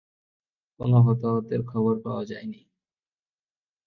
কোন হতাহতের খবর পাওয়া যায়নি।